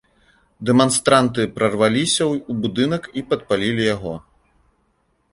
Дэманстранты прарваліся ў будынак і падпалілі яго.